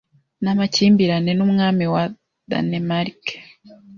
namakimbirane numwami wa Danemarke